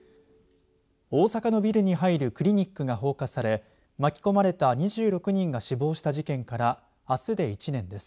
大阪のビルに入るクリニックが放火され巻き込まれた２６人が死亡した事件からあすで１年です。